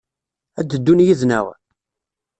Ad d-ddun yid-neɣ?